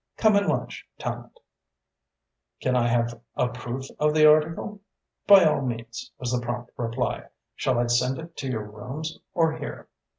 Come and lunch, Tallente." "Can I have a proof of the article?" "By all means," was the prompt reply. "Shall I send it to your rooms or here?"